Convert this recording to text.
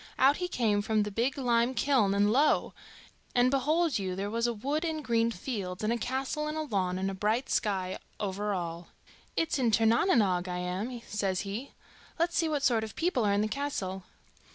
Out he came from the big lime kiln, and, lo! and behold you, there was a wood, and green fields, and a castle in a lawn, and a bright sky over all. 'It's in Tir na n Oge I am,' says he. 'Let's see what sort of people are in the castle.